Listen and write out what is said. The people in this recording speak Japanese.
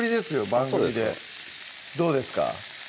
番組でどうですか？